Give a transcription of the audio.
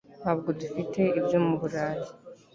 ntabwo dufite ibyo mu burayi